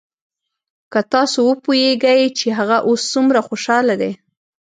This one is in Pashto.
که تاسو وپويېګئ چې هغه اوس سومره خوشاله دى.